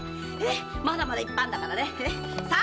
まだまだいっぱいあるからねさあ